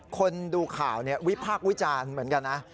คนดูข่าววิพากษ์วิจารณ์เหมือนกันนะ